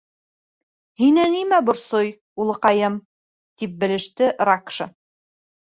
— Һине нимә борсой, улыҡайым? — тип белеште Ракша.